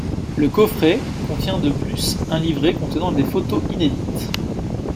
Le coffret contient de plus un livret contenant des photos inédites.